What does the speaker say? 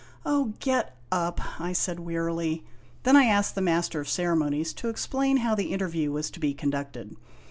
" Oh, get up !" I said wearily. Then I asked the Master of Ceremonies to explain how the interview was to be conducted.